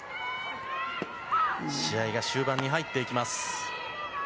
試合が終盤に入っていきます。